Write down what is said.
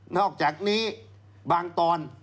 อกจากนี้บางตอน